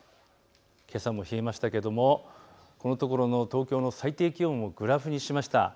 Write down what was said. けさも冷えましたけれどこのところの東京の最低気温をグラフにしました。